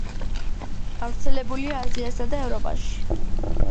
გავრცელებულია აზიასა და ევროპაში.